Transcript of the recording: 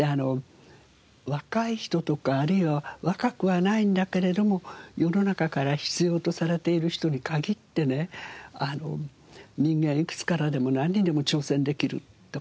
若い人とかあるいは若くはないんだけれども世の中から必要とされている人に限ってね「人間いくつからでもなんにでも挑戦できる」とかね